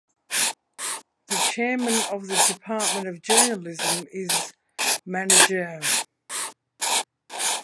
The Chairman of the Department of Journalism is Mgr.